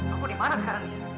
aku dimana sekarang giz